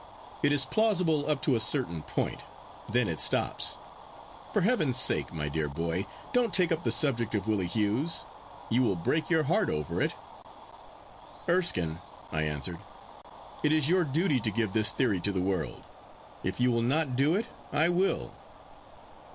It is plausible up to a certain point. Then it stops. For heaven's sake, my dear boy, don't take up the subject of Willie Hughes. You will break your heart over it.' 'Erskine,' I answered, 'it is your duty to give this theory to the world. If you will not do it, I will.